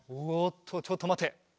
おっとちょっとまて。